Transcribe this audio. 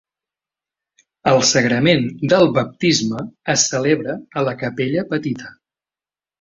El sagrament del baptisme es celebra a la capella petita .